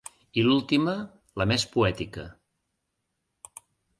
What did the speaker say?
I l'última, la més poètica.